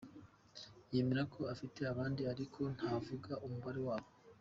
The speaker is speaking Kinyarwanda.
Yemera ko afite abandi ariko ntavuga umubare wabo.